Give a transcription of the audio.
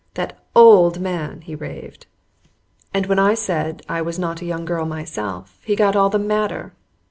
"That OLD man!" he raved. And when I said I was not a young girl myself he got all the madder.